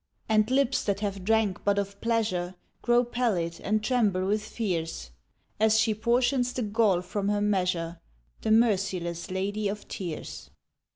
And lips that have drank but of pleasure Grow pallid and tremble with fears, As she portions the gall from her measure, The merciless Lady of Tears.